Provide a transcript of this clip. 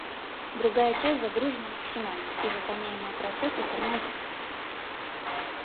Другая часть загружена максимально и выполняемые процессы «тормозят»